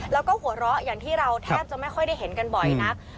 แล้วก็หัวเราะอย่างที่เราแทบจะไม่ค่อยได้เห็นกันบ่อยนัก